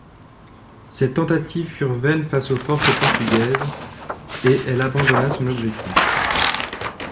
Ses tentatives furent vaines face aux forces portugaises, et elle abandonna son objectif.